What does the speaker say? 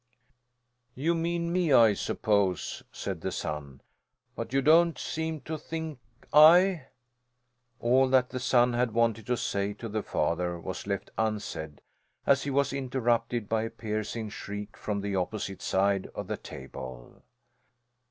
"You mean me, I suppose," said the son. "But you don't seem to think I " All that the son had wanted to say to the father was left unsaid, as he was interrupted by a piercing shriek from the opposite side of the table.